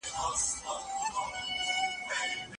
د مدینې منوره د هغوی د خلافت لومړنی مرکز او پلازمینه وه.